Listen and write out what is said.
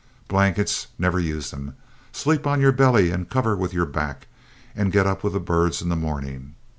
Blankets? Never use them; sleep on your belly and cover with your back, and get up with the birds in the morning.